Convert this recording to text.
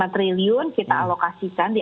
dua puluh lima triliun kita alokasikan di